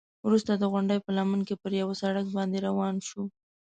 وروسته د غونډۍ په لمن کې پر یوه سړک باندې روان شوو.